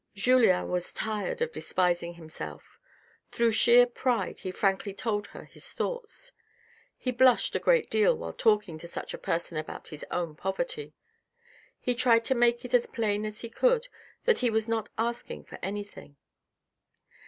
Julien was tired of despising himself. Through sheer pride he frankly told her his thoughts. He blushed a great deal while talking to such a person about his own poverty. He tried to make it as plain as he could that he was not asking for anything.